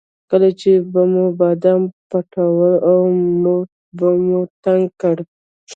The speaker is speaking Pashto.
کله چې به مو بادام پټول او موټ به مو ټینګ کړ.